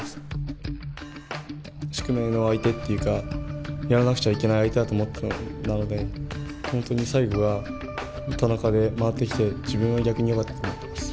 宿命の相手っていうかやらなくちゃいけない相手だと思っていたのでなので本当に最後は田中で回ってきて自分は逆によかったと思っています。